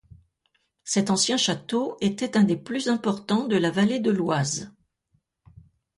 Cet ancien château était un des plus importants de la vallée de l'Oise.